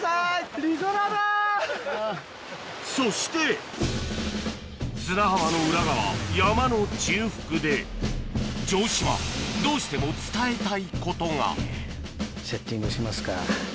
そして砂浜の裏側山の中腹で城島どうしても伝えたいことがセッティングしますか。